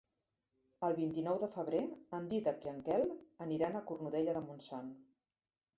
El vint-i-nou de febrer en Dídac i en Quel aniran a Cornudella de Montsant.